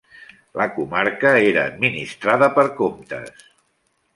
La comarca era administrada per comtes.